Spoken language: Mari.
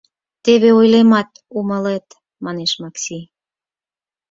— Теве ойлемат, умылет, — манеш Макси.